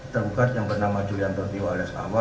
tergugat yang bernama julianto tio alias ahwa